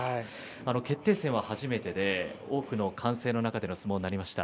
決定戦が初めてで多くの歓声の中での相撲になりました。